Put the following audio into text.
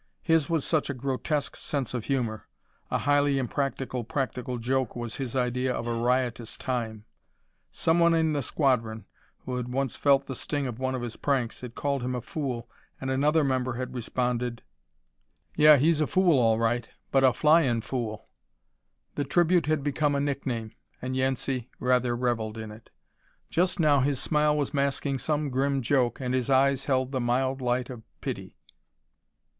His was such a grotesque sense of humor; a highly impractical practical joke was his idea of a riotous time. Someone in the squadron, who had once felt the sting of one of his pranks, had called him a fool, and another member had responded, "Yeah, he's a fool, all right but a flyin' fool!" The tribute had become a nickname, and Yancey rather reveled in it. Just now his smile was masking some grim joke and his eyes held the mild light of pity.